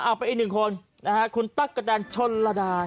เอาไปอีกหนึ่งคนคุณตั๊กกระแดงชนลดา